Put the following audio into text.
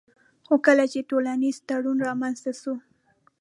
خو کله چي ټولنيز تړون رامنځته سو